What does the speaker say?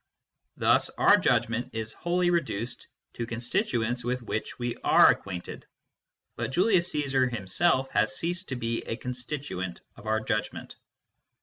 Thus ou judgment is wholly reduced to_ con stituents with which we are acquainted, but Julius Caesar himself has ceased to be a constituent of our judgment.